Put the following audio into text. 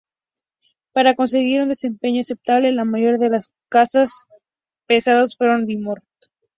Para conseguir un desempeño aceptable, la mayoría de los cazas pesados fueron bimotor.